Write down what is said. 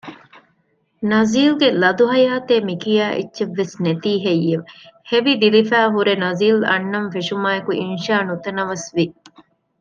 ނަޒީލްގެ ލަދު ހަޔާތޭ މިކިޔާ އެއްޗެއްވެސް ނެތީ ހެއްޔެވެ؟ ހެވިދިލިފައި ހުރެ ނަޒީލް އަންނަން ފެށުމާއެކު އިންޝާ ނުތަނަވަސްވި